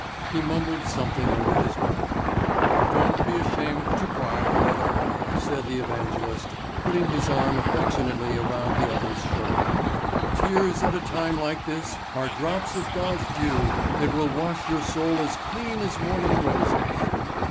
He mumbled something under his breath. "Don't be ashamed to cry, brother," said the evangelist, putting his arm affectionately around the other's shoulder. "Tears at a time like this are drops of God's dew that will wash your soul as clean as morning roses."